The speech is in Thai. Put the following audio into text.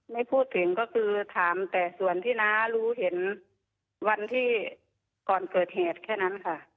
ไม่พูดถึงก็คือถามแต่ส่วนที่น้ารู้เห็นวันที่ก่อนเกิดเหตุแค่นั้นค่ะ